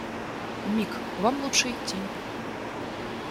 Мик, вам лучше идти.